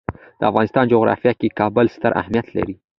د افغانستان جغرافیه کې کابل ستر اهمیت لري.